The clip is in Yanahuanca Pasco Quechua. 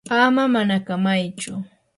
ama manakamaychu.